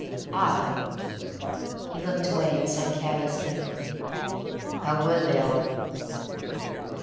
"Ah!" He looked away and said carelessly, "How were they all?"